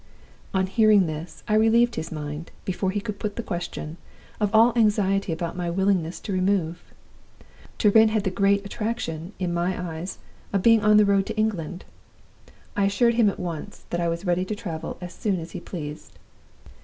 "On hearing this, I relieved his mind, before he could put the question, of all anxiety about my willingness to remove. Turin had the great attraction, in my eyes, of being on the road to England. I assured him at once that I was ready to travel as soon as he pleased.